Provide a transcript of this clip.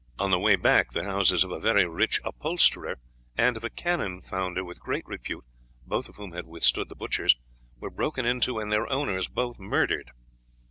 On the way back the houses of a very rich upholsterer and of a cannon founder of great repute, both of whom had withstood the butchers, were broken into and their owners both murdered.